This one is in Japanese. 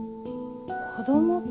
「子ども会」？